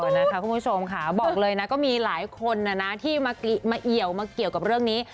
นะคะคุณผู้ชมค่ะบอกเลยนะก็มีหลายคนที่มาเอี่ยวมาเกี่ยวกับเรื่องนี้